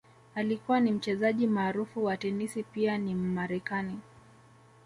Alikuwa ni Mchezaji maarufu wa tenisi pia ni Mmarekani